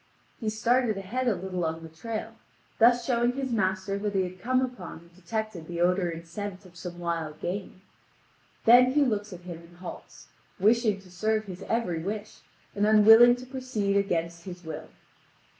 He started ahead a little on the trail, thus showing his master that he had come upon and detected the odour and scent of some wild game. Then he looks at him and halts, wishing to serve his every wish, and unwilling to proceed against his will.